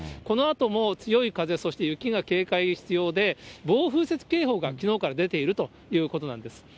このあとも強いかぜ、そして雪が警戒必要で、暴風雪警報がきのうから出ているということなんです。